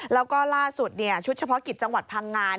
แล้วก็ล่าสุดชุดเฉพาะกิจจังหวัดพังงา